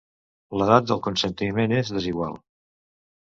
L'edat del consentiment és desigual.